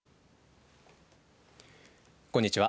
こんにちは。